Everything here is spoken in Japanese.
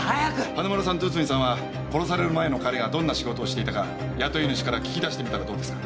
花村さんと内海さんは殺される前の彼がどんな仕事をしていたか雇い主から聞き出してみたらどうですか？